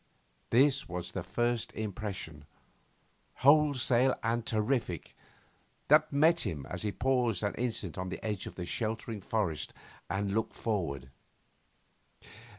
This was the first impression, wholesale and terrific, that met him as he paused an instant on the edge of the sheltering forest and looked forward.